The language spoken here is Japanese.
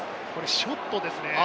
ショットですね。